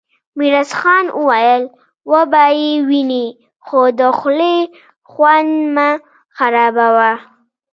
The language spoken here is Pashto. ميرويس خان وويل: وبه يې وينې، خو د خولې خوند مه خرابوه!